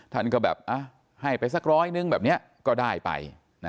ท่านก็แบบให้ไปสักร้อยนึงแบบนี้ก็ได้ไป